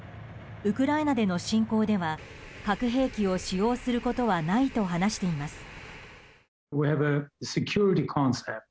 ウクライナでの侵攻では核兵器を使用することはないと話しています。